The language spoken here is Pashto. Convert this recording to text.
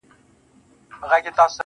د مخ پر مځکه يې ډنډ ،ډنډ اوبه ولاړي راته.